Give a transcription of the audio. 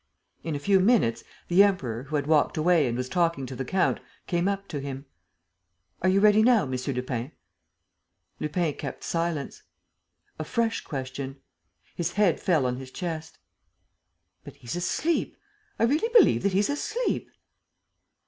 In a few minutes, the Emperor, who had walked away and was talking to the count, came up to him: "Are you ready now, M. Lupin?" Lupin kept silence. A fresh question. His head fell on his chest. "But he's asleep; I really believe that he's asleep!"